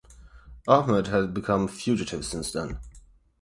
Ahmed had become fugitive since then.